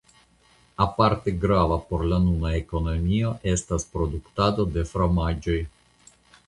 Aparte grava por la nuna ekonomio estas produktado de fromaĝoj.